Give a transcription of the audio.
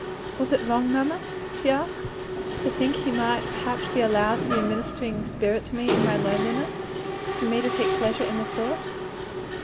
"Was it wrong, mamma," she asked, "to think he might perhaps be allowed to be a ministering spirit to me in my loneliness? and to find pleasure in the thought?"